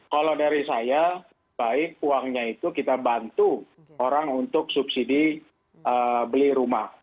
kalau dari saya baik uangnya itu kita bantu orang untuk subsidi beli rumah